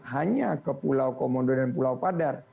hanya ke pulau komodo dan pulau padar